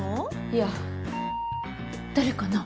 いや誰かな？